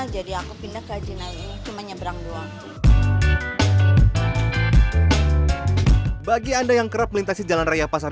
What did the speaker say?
jadi aku pindah ke ajinaya cuma nyebrang doang bagi anda yang kerap melintasi jalan raya pasar